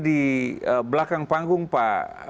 di belakang panggung pak